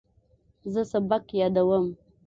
زه سبق یادوم.